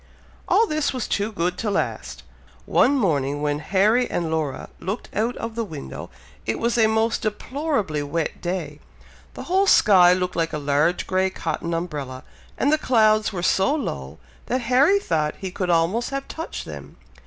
All this was too good to last! One morning, when Harry and Laura looked out of the window, it was a most deplorably wet day. The whole sky looked like a large grey cotton umbrella, and the clouds were so low that Harry thought he could almost have touched them.